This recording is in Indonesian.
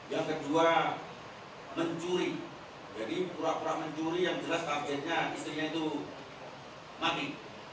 yang kedua mencuri jadi pura pura mencuri yang jelas targetnya istrinya itu mati